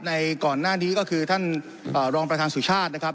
ก่อนหน้านี้ก็คือท่านรองประธานสุชาตินะครับ